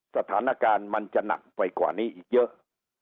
สถานการณ์มันจะหนักไปกว่านี้อีกเยอะ